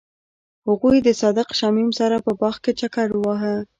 هغوی د صادق شمیم سره په باغ کې چکر وواهه.